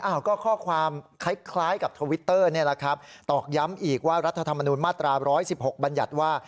อ้าวก็ข้อความคล้ายคล้ายกับทวิตเตอร์เนี่ยแหละครับตอบย้ำอีกว่ารัฐธรรมนูญมาตราร้อยสิบหกบัญญัติว่า